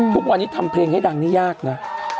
ทุกวันนี้ทำเพลงให้ดังนี่ยากนะ